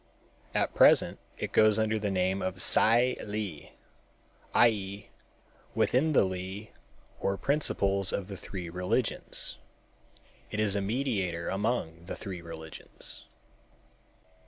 At present it goes under the name of Tsai Li, i.e., within the Li or principles of the three religions. It is a mediator among the three religions.